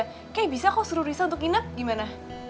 kayaknya bisa kok suruh risa untuk inap gimana